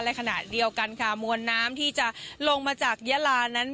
และขณะเดียวกันค่ะมวลน้ำที่จะลงมาจากยาลานั้น